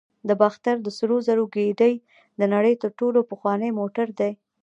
د باختر د سرو زرو ګېډۍ د نړۍ تر ټولو پخوانی موټر دی